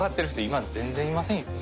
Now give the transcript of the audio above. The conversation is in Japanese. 今全然いませんよ。